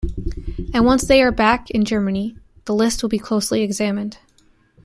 And once they are back in Germany, the List will be closely examined.